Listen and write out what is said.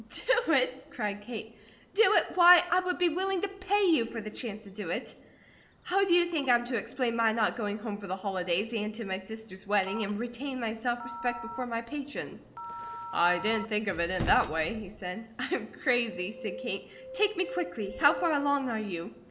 "Do it?" cried Kate. "Do it! Why, I would be willing to pay you for the chance to do it. How do you think I'm to explain my not going home for the Holidays, and to my sister's wedding, and retain my self respect before my patrons?" "I didn't think of it in that way," he said. "I'm crazy," said Kate. "Take me quickly! How far along are you?"